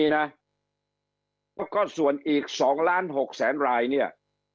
และก็ส่วนอีก๒๖ล้านฯลายเนี่ย